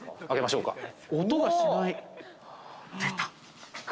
開けましょうか。